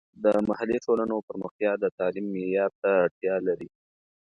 د محلي ټولنو پرمختیا د تعلیم معیار ته اړتیا لري.